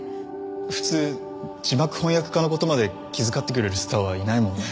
普通字幕翻訳家の事まで気遣ってくれるスターはいないもんね。